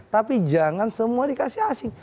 tapi jangan semua dikasih asing